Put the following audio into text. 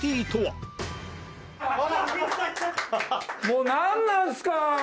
もうなんなんすか！